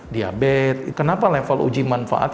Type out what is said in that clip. diabetes kenapa level uji manfaat